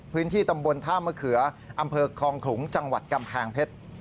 พื้นที่ตำบลท่ามะเขืออำเภอคลองขลุงจังหวัดกำแพงเพชร